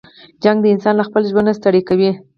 جګړه انسان له خپل ژوند ستړی کوي